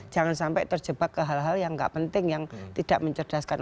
jangan sampai terjebak ke hal hal yang nggak penting yang tidak mencerdaskan